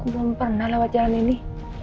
hai belum pernah lewat jalan ini